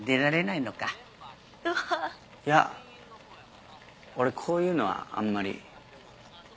いや俺こういうのはあんまり。